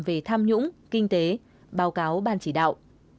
về tham nhũng kinh tế báo cáo ban chỉ đạo